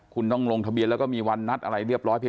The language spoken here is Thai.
คุณต้องลงทะเบียนแล้วก็มีวันนัดอะไรเรียบร้อยเพียง